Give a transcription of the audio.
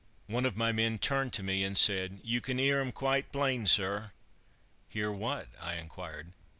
One of my men turned to me and said: "You can 'ear 'em quite plain, sir!" "Hear what?" I inquired.